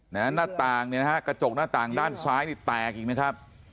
หน้าต่างเนี่ยนะฮะกระจกหน้าต่างด้านซ้ายนี่แตกอีกนะครับ